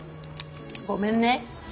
ごめんね。